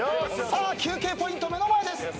休憩ポイント目の前です。